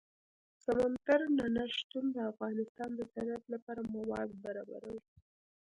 سمندر نه شتون د افغانستان د صنعت لپاره مواد برابروي.